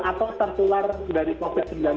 atau tertular dari covid sembilan belas